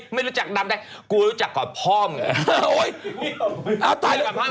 ไม่รู้จักดำได้กูรู้จักกว่าพ่อเหมือนกัน